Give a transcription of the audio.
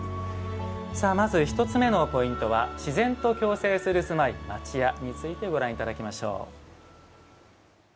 まず１つ目のポイントは「自然と共生するすまい町家」についてご覧いただきましょう。